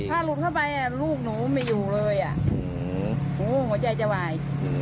ถ้าหลุดเข้าไปลูกหนูไม่อยู่เลยอ่ะโอ้โหหัวใจจะวาย